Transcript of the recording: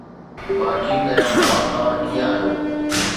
مان ٺيڪ آهيان ڀاءُ توهان ڪيئن آهيو؟